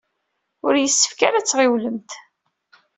Ur yessefk ara ad tɣiwlemt.